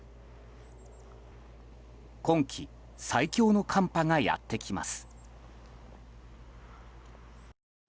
今季最強の寒波がやってきます。